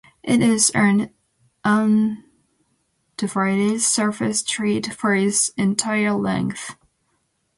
It is an undivided surface street for its entire length.